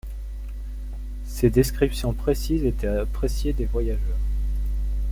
Ses descriptions précises étaient appréciées des voyageurs.